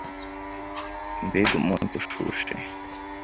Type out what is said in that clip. Mbega umunsi ushushe!